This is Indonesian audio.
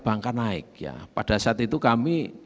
bankan naik pada saat itu kami